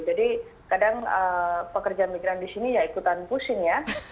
jadi kadang pekerja migran di sini ya ikutan pusing ya